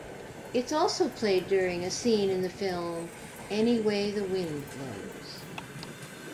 It's also played during a scene in the film "Any Way The Wind Blows".